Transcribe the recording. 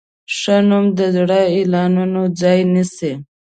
ښه نوم د زر اعلانونو ځای نیسي.